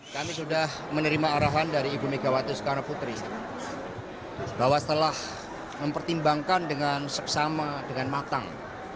kami sudah menerima arahan dari ibu megawati soekarno putri bahwa setelah mempertimbangkan dengan seksama dengan matang